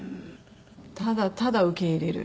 ただただ受け入れる。